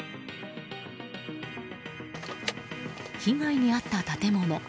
被害に遭った建物。